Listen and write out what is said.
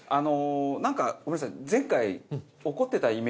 なんかごめんなさい。